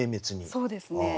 そうですね。